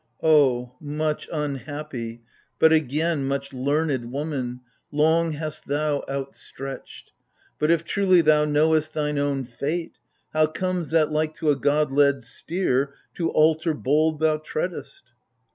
O much unhappy, but, again, much learned Woman, long hast thou outstretched ! But if truly Thou knowest thine own fate, how comes that, like to A god led steer, to altar bold thou treadest